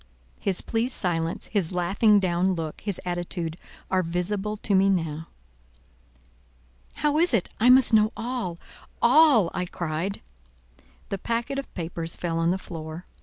His pleased silence, his laughing down look, his attitude, are visible to me now. "How is it? I must know all—all," I cried. The packet of papers fell on the floor.